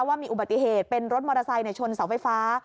ว่ามีอุบัติเหตุเป็นรถมอเตอร์ไซค์ชนเสาไฟฟ้า